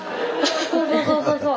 そうそうそうそうそう。